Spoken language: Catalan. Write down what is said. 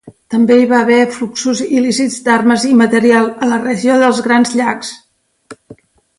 També hi va haver fluxos il·lícits d'armes i material a la regió dels Grans Llacs.